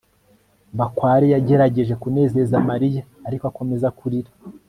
bakware yagerageje kunezeza mariya, ariko akomeza kurira